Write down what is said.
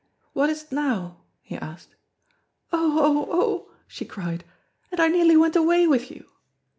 "What is 't now?" he asked. "Oh, oh, oh!" she cried, "and I nearly went away with you!"